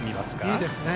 いいですね。